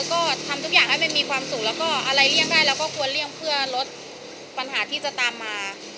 ก็ทำทุกอย่างให้มันมีความสุขแล้วก็อะไรเลี่ยงได้เราก็ควรเลี่ยงเพื่อลดปัญหาที่จะตามมา